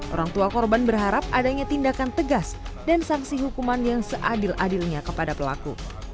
orang tua korban berharap adanya tindakan tegas dan sanksi hukuman yang seadil adilnya kepada pelaku